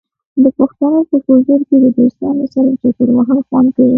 د پښتنو په کلتور کې د دوستانو سره چکر وهل خوند کوي.